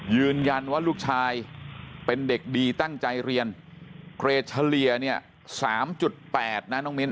ยืนยันว่าลูกชายเป็นเด็กดีตั้งใจเรียนเกรดเฉลี่ยเนี่ย๓๘นะน้องมิ้น